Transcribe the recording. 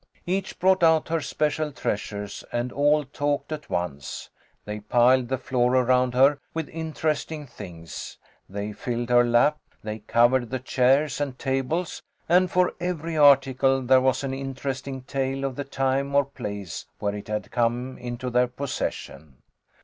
Each brought out her special treasures, and all talked at once. They piled the floor around her with interesting things, they filled her lap, they covered the chairs and tables. And for every article there was an interesting tale of the time or place where it had come into their possession.